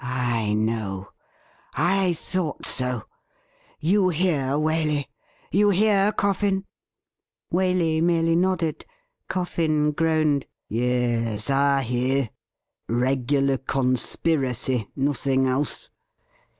' I know — I thought so ! You hear, Waley ; you hear, Coffin.?' Waley merely nodded. Coffin groaned :' Yes, I hear. Regular conspiracy, nothing else.